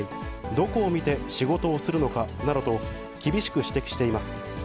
どこを見て仕事をするのかなどと、厳しく指摘しています。